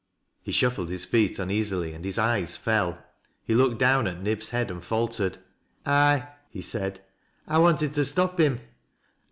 He shuffled his feet uneasily and his eyes fell. He looked down at Nib's head and faltered. " I —" he said. " I wanted to stop him.